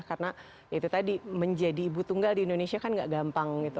karena itu tadi menjadi ibu tunggal di indonesia kan gak gampang gitu